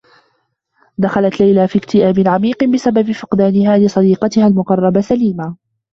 دخلت ليلى في اكتئاب عميق بسبب فقدانها لصديقتها المقرّبة، سليمة.